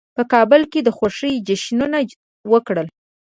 په کابل کې د خوښۍ جشنونه وکړل.